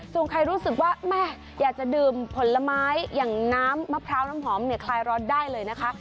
ส่วนใครรู้สึกว่าแม่อยากจะดื่มผลไม้อย่างน้ำมะพร้าวน้ำหอมเนี่ยคลายร้อนได้เลยนะคะ